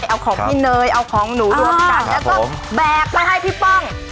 เอาของพี่เนยเอาของหนูรวมกันแล้วก็แบกไปให้พี่ป้อง